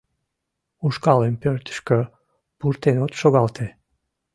Ушкалым пӧртышкӧ пуртен от шогалте.